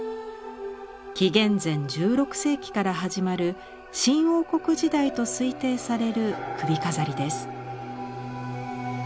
紀元前１６世紀から始まる新王国時代と推定される首飾りです。